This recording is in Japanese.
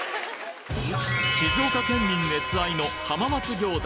静岡県民熱愛の浜松餃子